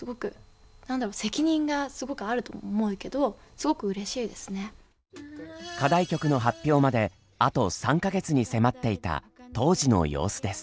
すごく何だろ課題曲の発表まであと３か月に迫っていた当時の様子です。